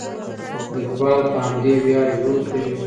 لیکوال په همدې ویاړ ژوند کوي.